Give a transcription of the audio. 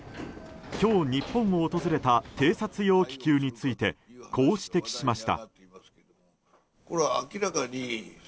今日、日本を訪れた偵察用気球についてこう指摘しました。